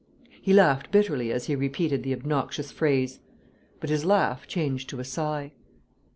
He laughed bitterly as he repeated the obnoxious phrase; but his laugh changed to a sigh.